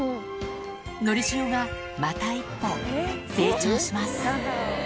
のりしおがまた一歩成長します。